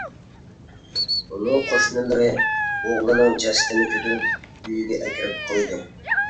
ئۇنىڭ قوشنىلىرى ئوغلىنىڭ جەسىتىنى كۆتۈرۈپ ئۆيگە ئەكىرىپ قويدى.